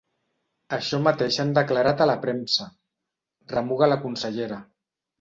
Això mateix han declarat a la premsa —remuga la consellera.